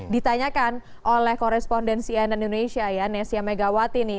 ditanyakan oleh koresponden cnn indonesia ya nesya megawati nih